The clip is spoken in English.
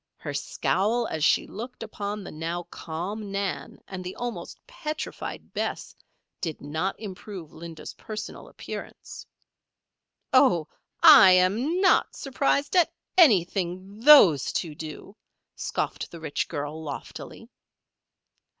Her scowl as she looked upon the now calm Nan and the almost petrified Bess, did not improve Linda's personal appearance. "Oh! I am not surprised at anything those two do," scoffed the rich girl, loftily.